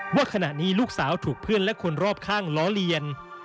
ว่าขณะนี้ลูกสาวถูกเพื่อนและคนรอบข้างล้อเลียน